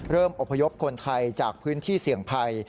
อพยพคนไทยจากพื้นที่เสี่ยงภัย